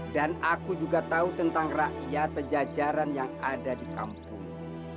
dan aku juga tahu tentang rakyat pejajaran yang ada di kampungmu